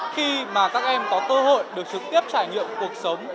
khi mà các em có cơ hội được trực tiếp trải nghiệm cuộc sống